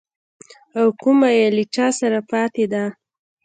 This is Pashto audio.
او کومه يې له چا سره پاته ده.